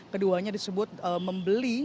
keduanya disebut membeli